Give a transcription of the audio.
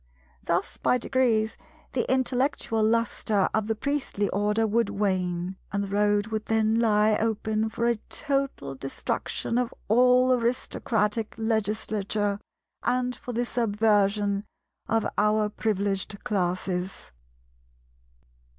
Thus by degrees the intellectual lustre of the Priestly Order would wane, and the road would then lie open for a total destruction of all Aristocratic Legislature and for the subversion of our Privileged Classes.